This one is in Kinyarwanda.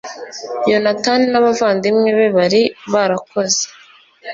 yonatani n'abavandimwe be bari barakoze